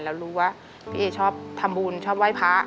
แล้วรู้ว่าพี่เอชอบทำบุญชอบไหว้พระ